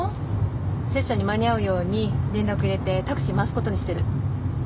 セッションに間に合うように連絡入れてタクシー回すことにしてる。